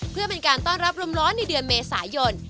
เพื่อเป็นการต้อนรับรมร้อนในเดือนเมษายน